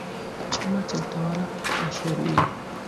Chama cha utawala wa sheria